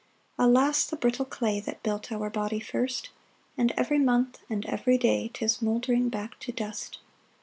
2 Alas the brittle clay That built our body first! And every month, and every day 'Tis mouldering back to dust.